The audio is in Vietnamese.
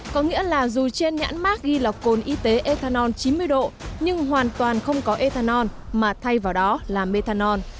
có nghĩa là dù trên nhãn mát ghi là cồn y tế ethanol chín mươi độ nhưng hoàn toàn không có ethanol mà thay vào đó là methanol